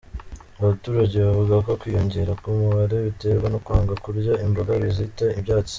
Abaturage bavuga ko kwiyongera k’umubare biterwa no kwanga kurya imboga bazita ibyatsi.